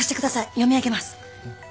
読み上げます。